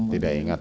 tidak ingat ya om